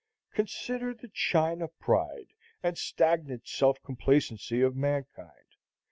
Consider the China pride and stagnant self complacency of mankind.